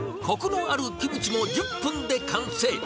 こくのあるキムチも１０分で完成。